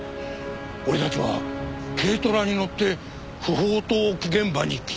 俺たちは軽トラに乗って不法投棄現場に来ている。